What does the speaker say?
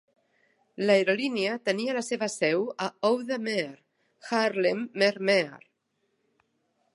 L'aerolínia tenia la seva seu a Oude Meer, Haarlemmermeer.